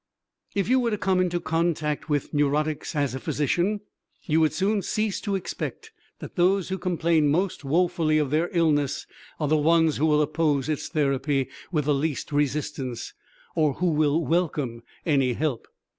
If you were to come into contact with neurotics as a physician, you would soon cease to expect that those who complain most woefully of their illness are the ones who will oppose its therapy with the least resistance or who will welcome any help.